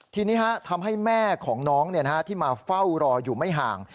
ทีนี้ทำให้แม่ของน้องที่มาเฝ้ารออยู่ไม่ห่าง